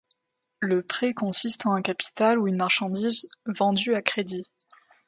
Le prêt consiste en un capital ou une marchandise vendue à crédit.